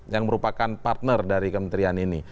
yang merupakan partner dari kementerian ini